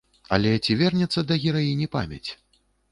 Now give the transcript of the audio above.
Але ці вернецца да гераіні памяць?